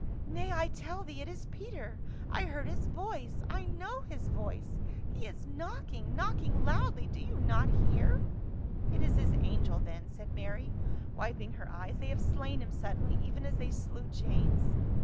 " Nay, I tell thee it is Peter ; I heard his voice, I know his voice ! He is knocking — knocking loudly, do you not hear?" " It is his angel then," said Mary, wiping her eyes, " they have slain him suddenly, even as they slew James."